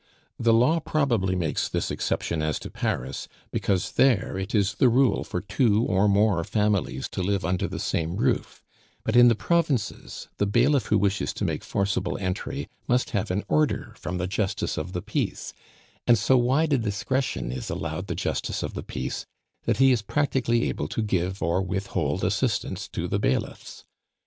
The law probably makes this exception as to Paris, because there it is the rule for two or more families to live under the same roof; but in the provinces the bailiff who wishes to make forcible entry must have an order from the Justice of the Peace; and so wide a discretion is allowed the Justice of the Peace, that he is practically able to give or withhold assistance to the bailiffs.